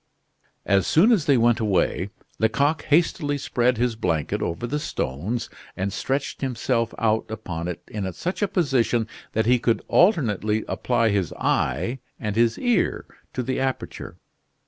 As soon as they went away, Lecoq hastily spread his blanket over the stones and stretched himself out upon it in such a position that he could alternately apply his eye and his ear to the aperture.